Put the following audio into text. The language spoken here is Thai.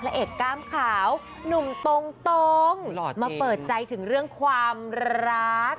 เอกกล้ามขาวหนุ่มตรงมาเปิดใจถึงเรื่องความรัก